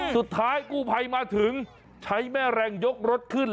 สุดท้ายกู้ภัยมาถึงใช้แม่แรงยกรถขึ้น